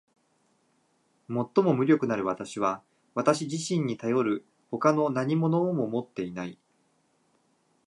最も無力なる私は私自身にたよる外の何物をも持っていない。